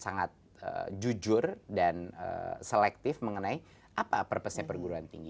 sangat jujur dan selektif mengenai apa purpose nya perguruan tinggi